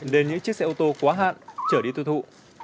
để những chiếc xe ô tô quá hạn trở đi tui thụ